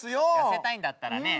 痩せたいんだったらね